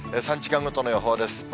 ３時間ごとの予報です。